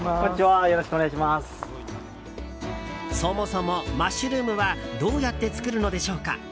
そもそも、マッシュルームはどうやって作るのでしょうか。